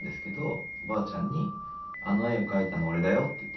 おばあちゃんに「あの絵を描いたの俺だよ」って言って。